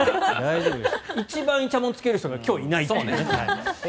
一番いちゃもんつける人が今日はいないという。